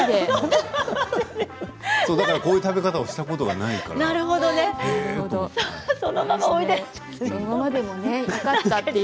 だから、こういう食べ方をしたことがないからへえと思って。